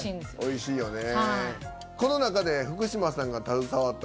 おいしいよね。